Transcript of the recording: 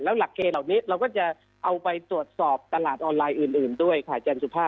แล้วหลักเคลเหล่านี้เราจะเอาไปตรวจสอบตลาดออนไลน์อื่นด้วยค่ะ